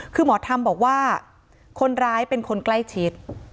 คือหมอธรรมบอกว่าคนร้ายเป็นคนใกล้ชิด